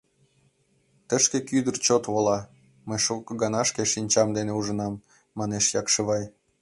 — Тышке кӱдыр чот вола, мый шуко гана шке шинчам дене ужынам, — манеш Якшывай.